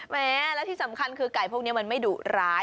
แม้และที่สำคัญคือไก่พวกนี้มันไม่ดุร้าย